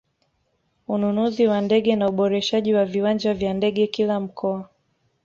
Ununuzi wa ndege na uboreshaji wa viwanja vya ndege kila mkoa